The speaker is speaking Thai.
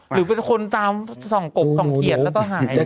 หรือเป็นคนลองกี่คนแล้วก็หาย